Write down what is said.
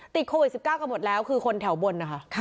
ติดโควิด๑๙กันหมดแล้วคือคนแถวบนนะคะ